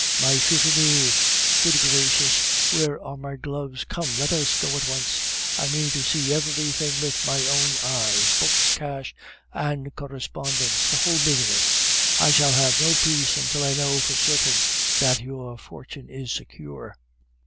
my Fifine! Good gracious! Where are my gloves? Come, let us go at once; I mean to see everything with my own eyes books, cash, and correspondence, the whole business. I shall have no peace until I know for certain that your fortune is secure."